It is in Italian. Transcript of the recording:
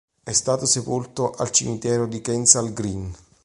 È stato sepolto al cimitero di Kensal Green.